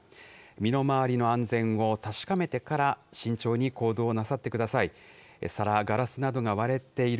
身の回りの安全を確かめてから、慎重に行動なさってください。